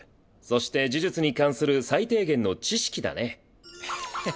そして呪術に関する最低限の知識だね。へへっ。